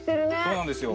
そうなんですよ。